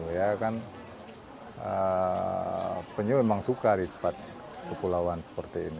ya kan penyu memang suka di tempat kepulauan seperti ini